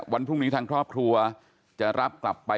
วันพรุ่งนี้ทางครอบครัวจะรับกลับไป